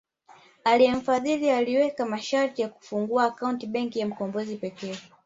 Aliyemfadhili aliweka masharti ya kufungua akaunti Benki ya Mkombozi pekee